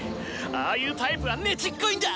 ああいうタイプはねちっこいんだ！